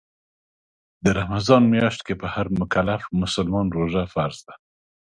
د رمضان میاشت کې په هر مکلف مسلمان روژه فرض ده